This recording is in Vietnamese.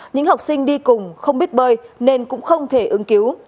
những học sinh đi cùng không biết bơi nên cũng không thể ứng cứu